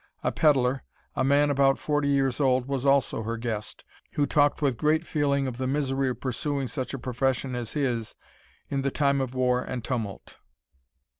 A pedlar, a man of about forty years old, was also her guest, who talked with great feeling of the misery of pursuing such a profession as his in the time of war and tumult.